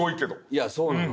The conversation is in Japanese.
いやそうなの。